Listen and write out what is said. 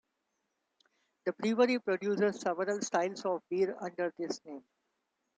The brewery produces several styles of beer under this name.